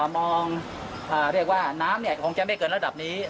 มองเรียกว่าน้ำคงจะไม่เกินระดับนี้